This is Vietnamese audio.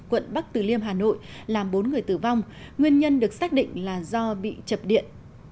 quận bắc từ liêm hà nội làm bốn người tử vong nguyên nhân được xác định là do bị chập điện